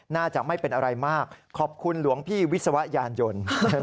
น่าจะไม่เป็นอะไรมากขอบคุณหลวงพี่วิศวยานยนต์